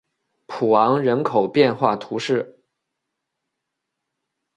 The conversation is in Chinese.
普昂人口变化图示